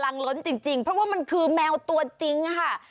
ล้นจริงเพราะว่ามันคือแมวตัวจริงค่ะ